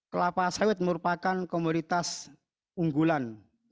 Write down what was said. kelapa sawit merupakan komoditas unggulan